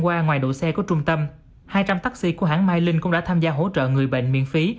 và ngoài độ xe của trung tâm hai trăm linh taxi của hãng mylyn cũng đã tham gia hỗ trợ người bệnh miễn phí